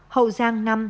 hậu giang năm